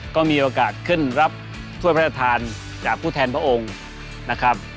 ก็มีโอกาสขึ้นรับถ้วยพระราชทานจากผู้แทนพระองค์นะครับ